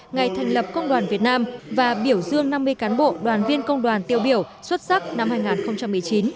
ngày thành lập công đoàn việt nam và biểu dương năm mươi cán bộ đoàn viên công đoàn tiêu biểu xuất sắc năm hai nghìn một mươi chín